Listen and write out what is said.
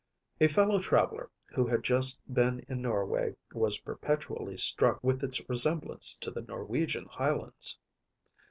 A fellow traveller, who had just been in Norway, was perpetually struck with its resemblance to the Norwegian highlands.